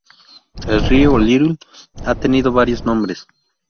El río Little ha tenido varios nombres.